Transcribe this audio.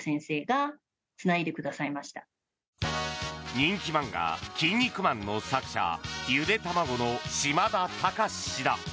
人気漫画「キン肉マン」の作者ゆでたまごの嶋田隆司氏だ。